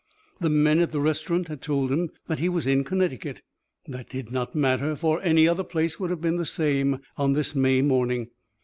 The men at the restaurant had told him that he was in Connecticut. That did not matter, for any other place would have been the same on this May morning.